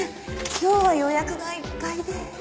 今日は予約がいっぱいで。